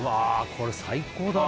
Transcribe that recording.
これ最高だね